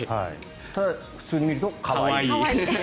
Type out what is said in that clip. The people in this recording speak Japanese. ただ普通に見ると可愛い。